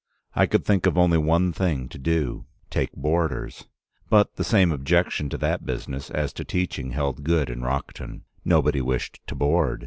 I could think of only one thing to do: take boarders. But the same objection to that business as to teaching held good in Rockton. Nobody wished to board.